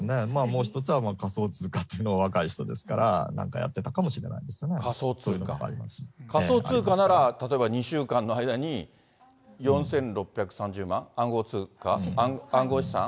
もう一つは仮想通貨っていうのは、若い人ですから、なんかやってた仮想通貨、仮想通貨なら、例えば２週間の間に、４６３０万、暗号資産？